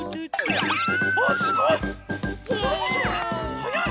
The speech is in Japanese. はやい！